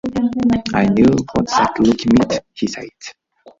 "I knew what that look meant," he said.